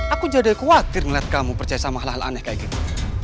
aku jadi khawatir ngeliat kamu percaya sama hal hal aneh kayak gitu